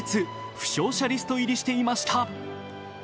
負傷者リスト入りしていました。